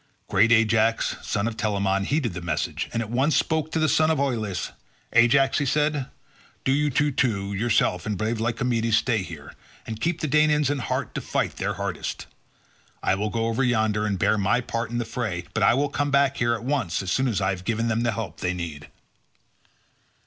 Great Ajax son of Telamon heeded the message, and at once spoke to the son of Oileus. "Ajax," said he, "do you two, yourself and brave Lycomedes, stay here and keep the Danaans in heart to fight their hardest. I will go over yonder, and bear my part in the fray, but I will come back here at once as soon as I have given them the help they need."